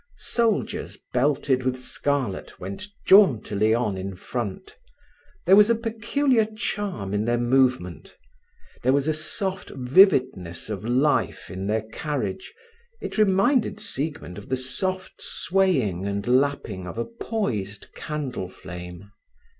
Soldiers, belted with scarlet, went jauntily on in front. There was a peculiar charm in their movement. There was a soft vividness of life in their carriage; it reminded Siegmund of the soft swaying and lapping of a poised candle flame.